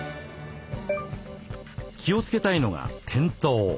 気をつけたいのが転倒。